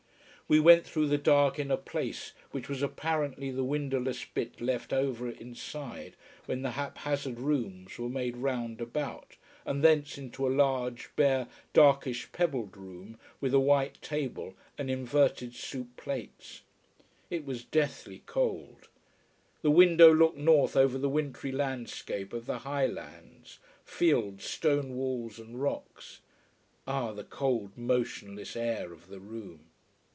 We went through the dark inner place, which was apparently the windowless bit left over, inside, when the hap hazard rooms were made round about, and from thence into a large, bare, darkish pebbled room with a white table and inverted soup plates. It was deathly cold. The window looked north over the wintry landscape of the highlands, fields, stone walls, and rocks. Ah, the cold, motionless air of the room.